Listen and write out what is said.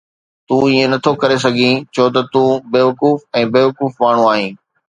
تون ائين نٿو ڪري سگهين ڇو ته تون بيوقوف ۽ بيوقوف ماڻهو آهين